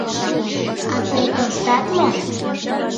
— А тый тоштат мо?